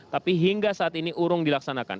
tapi hingga saat ini urung dilaksanakan